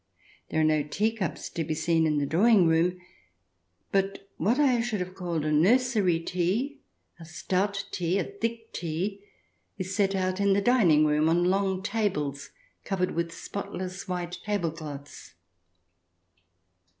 There are no tea cups to be seen in the drawing room ; but what I should have called a nursery tea, a stout tea, a thick tea, is set out in the dining room, on long tables covered with spotless white table cloths.